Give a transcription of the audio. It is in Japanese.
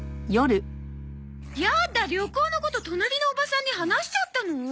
やーだ旅行のこと隣のおばさんに話しちゃったの？